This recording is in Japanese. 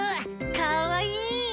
かわいい！